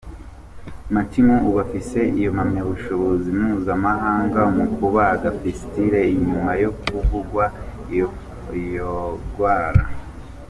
Mamitu Ubu afise impamyabushobozi mpuzamakungu mu kubaga 'fistule' inyuma yo kuvugwa iyo ngwara.